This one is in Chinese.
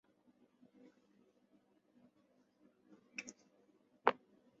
随后携手金荷娜赢得亚洲羽毛球锦标赛女双亚军以及超级赛总决赛女双季军。